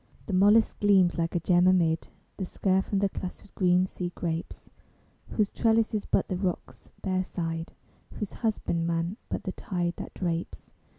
The mollusc gleams like a gem amid The scurf and the clustered green sea grapes, Whose trellis is but the rock's bare side, Whose husbandman but the tide that drapes.